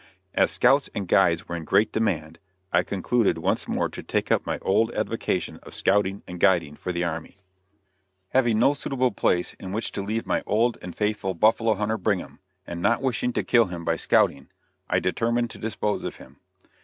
As scouts and guides were in great demand, I concluded once more to take up my old avocation of scouting and guiding for the army. Having no suitable place in which to leave my old and faithful buffalo hunter Brigham, and not wishing to kill him by scouting, I determined to dispose of him.